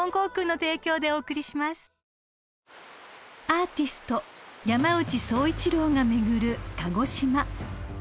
［アーティスト山内総一郎が巡る鹿児島］